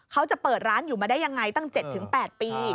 เขาจะเปิดร้านอยู่มาได้ยังไงตั้ง๗๘ปี